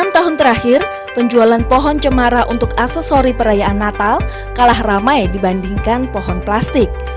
enam tahun terakhir penjualan pohon cemara untuk aksesori perayaan natal kalah ramai dibandingkan pohon plastik